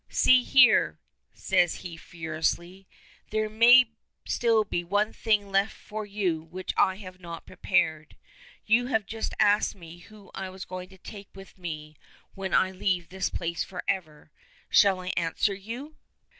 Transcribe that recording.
"See here," says he furiously. "There may still be one thing left for you which I have not prepared. You have just asked me who I am going to take with me when I leave this place forever. Shall I answer you?"